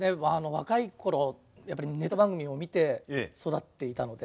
若いころやっぱりネタ番組を見て育っていたので。